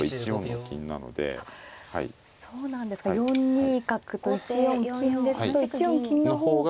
そうなんですか４二角と１四金ですと１四金の方が。